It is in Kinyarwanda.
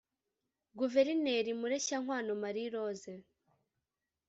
Guverineri Mureshyankwano Marie Rose